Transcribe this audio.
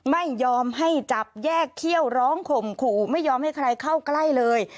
ไม่ยอมให้จับแยกเขี้ยวร้องข่มขู่ไม่ยอมให้ใครเข้าใกล้เลย